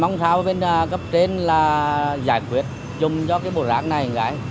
mong sao bên cấp trên là giải quyết dùng cho bộ rác này